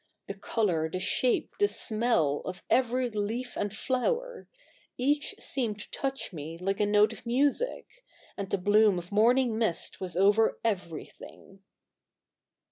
The colour, the shape, the smell of every leaf and flower — each seemed to touch me like a note of music ; and the bloom of morning mist was over everything.'